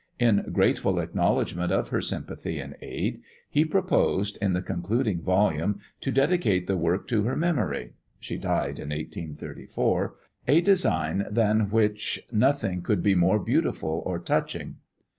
In grateful acknowledgment of her sympathy and aid, he proposed, in the concluding volume, to dedicate the work to her memory, (she died in 1834) a design than which nothing could be more beautiful or touching.